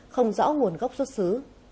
không rõ nguồn gốc xuất xứ